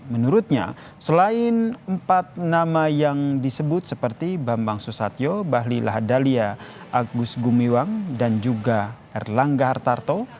menurutnya selain empat nama yang disebut seperti bambang susatyo bahli lahadalia agus gumiwang dan juga erlangga hartarto